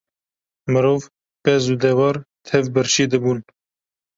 Mirov, pez û dewar tev birçî dibûn.